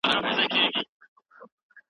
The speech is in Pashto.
په کنايي الفاظو کي د طلاق نيت طلاق واقع کوي.